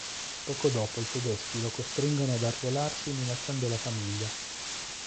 Poco dopo i tedeschi lo costringono ad arruolarsi minacciando la famiglia.